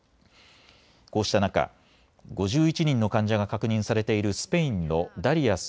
こうした中、５１人の患者が確認されているスペインのダリアス